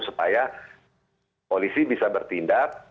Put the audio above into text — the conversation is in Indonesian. supaya polisi bisa bertindak